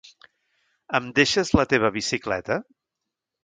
Em deixes la teva bicicleta?